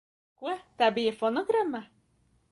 Ko? Tā bija fonogramma?